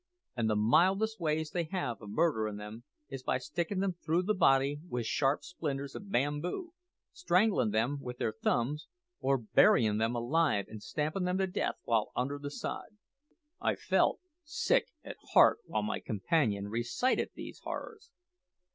And the mildest ways they have of murdering them is by sticking them through the body with sharp splinters of bamboo, strangling them with their thumbs, or burying them alive and stamping them to death while under the sod." I felt sick at heart while my companion recited these horrors.